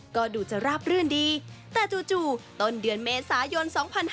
ก็ดูจะราบรื่นดีแต่จู่ต้นเดือนเมษายน๒๕๕๙